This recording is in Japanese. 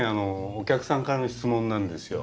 お客さんからの質問なんですよ。